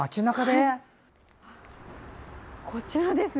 こちらですね。